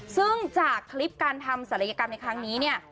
ซึ่งจากคลิปการทำศัลยกรรมในครั้งนี้เนี่ย